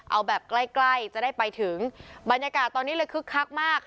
เอาแบบใกล้ใกล้จะได้ไปถึงบรรยากาศตอนนี้เลยคึกคักมาก